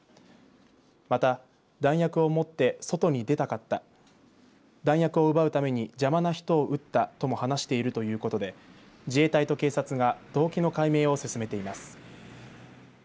また、弾薬を持って外に出たかった弾薬を奪うために邪魔な人を撃ったとも話しているということで自衛隊と警察が動機の解明を進めています。